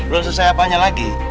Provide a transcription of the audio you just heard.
belum selesai apanya lagi